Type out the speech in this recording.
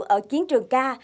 ở chiến trường ca